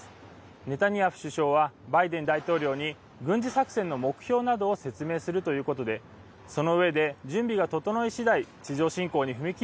ネタニヤフ首相はバイデン大統領に軍事作戦の目標などを説明するということでそのうえで準備が整いしだい